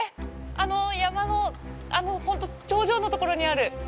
あの山の頂上のところにある。